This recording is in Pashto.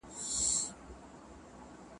«دختر هزاره»!